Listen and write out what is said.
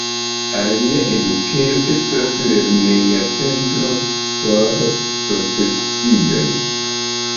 Alia edukejo estas lerneja centro por profesioj.